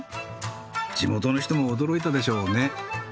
地元の人も驚いたでしょうね。